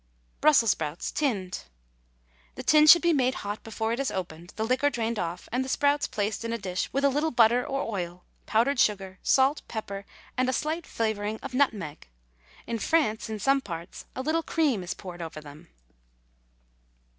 BRUSSELS SPROUTS, TINNED. The tin should be made hot before it is opened, the liquor drained off, and the sprouts placed in a dish, with a little butter or oil, powdered sugar, salt, pepper, and a slight flavouring of nutmeg. In France, in some parts, a little cream is poured over them.